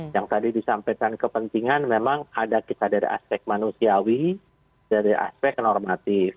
yang tadi disampaikan kepentingan memang ada kita dari aspek manusiawi dari aspek normatif